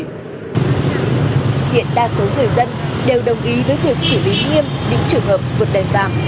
hiện đa số người dân đều đồng ý với việc xử lý nghiêm những trường hợp vượt đèn vàng